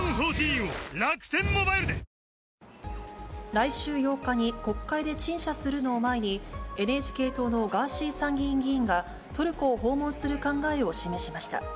来週８日に国会で陳謝するのを前に、ＮＨＫ党のガーシー参議院議員が、トルコを訪問する考えを示しました。